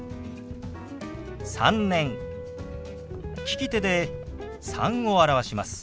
利き手で「３」を表します。